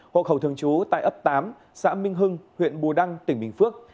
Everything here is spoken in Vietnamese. hộ khẩu thường trú tại ấp tám xã minh hưng huyện bù đăng tỉnh bình phước